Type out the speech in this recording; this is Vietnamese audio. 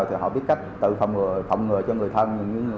thì họ biết cách tự phòng ngừa cho người thân